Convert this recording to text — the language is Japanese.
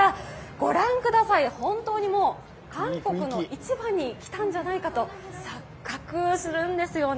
ご覧ください、本当に韓国の市場に来たんじゃないかと錯覚するんですよね。